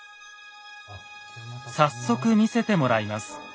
早速見せてもらいます。